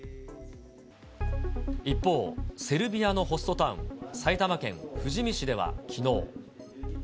一方、セルビアのホストタウン、埼玉県富士見市ではきのう。